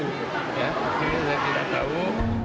nah hasilnya saya tidak tahu